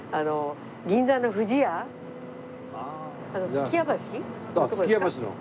数寄屋橋の？